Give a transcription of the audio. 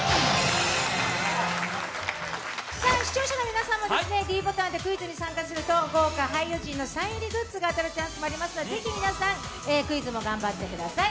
視聴者の皆さんもｄボタンでクイズに参加すると豪華俳優陣のサイン入りグッズが当たるチャンスもありますので、ぜひ皆さん、クイズも頑張ってください。